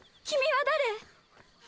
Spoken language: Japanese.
君は誰？